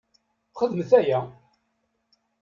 Xedmet aya!